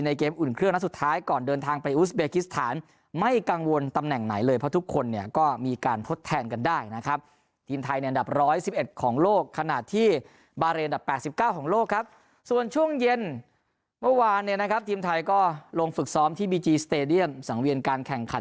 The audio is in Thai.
เกมอุ่นเครื่องนัดสุดท้ายก่อนเดินทางไปอุสเบกิสถานไม่กังวลตำแหน่งไหนเลยเพราะทุกคนเนี่ยก็มีการทดแทนกันได้นะครับทีมไทยในอันดับ๑๑ของโลกขณะที่บาเรนดับ๘๙ของโลกครับส่วนช่วงเย็นเมื่อวานเนี่ยนะครับทีมไทยก็ลงฝึกซ้อมที่บีจีสเตดียมสังเวียนการแข่งขัน